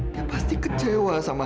dan dia tidak tahu ada kenapa